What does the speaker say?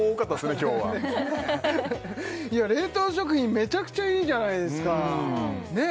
今日はいや冷凍食品めちゃくちゃいいじゃないですかねえ